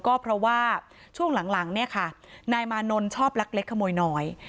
ก็เพราะว่าช่วงหลังเนี่ยค่ะนายมานนท์ชอบลักเล็กขโมยน้อย